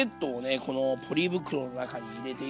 このポリ袋の中に入れていきます。